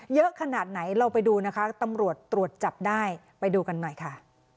เยอะขนาดไหนเราไปดูนะคะตำรวจตรวจจับได้ไปดูกันหน่อยค่ะ